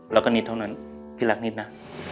แล้วก็นิดเท่านั้นพี่รักนิดนะ